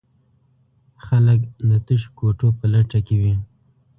خلک د تشو کوټو په لټه کې وي.